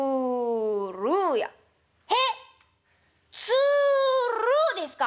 つるですか？